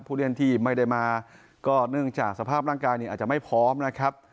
ผู้เล่นที่ไม่ได้มาก็เนื่องจากสภาพร่างกายอาจจะไม่พร้อมนะครับ